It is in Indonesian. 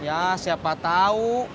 ya siapa tau